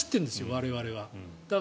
我々は。